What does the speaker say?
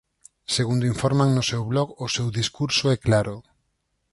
Segundo informan no seu blog o seu discurso é claro.